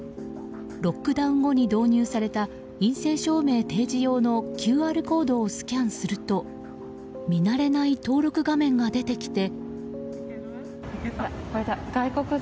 ロックダウン後に導入された陰性証明提示用のＱＲコードをスキャンすると見慣れない登録画面が出てきて。